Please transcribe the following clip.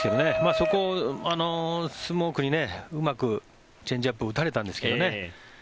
そこをスモークにうまくチェンジアップを打たれたんですけどね。